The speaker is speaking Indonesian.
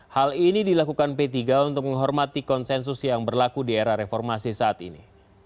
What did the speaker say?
hal ini dilakukan p tiga untuk menghormati konsensus yang berlaku di era reformasi saat ini